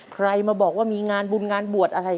ใครมาบอกว่ามีงานบุญงานบวชอะไร